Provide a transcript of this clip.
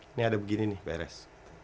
ini ada begini nih beres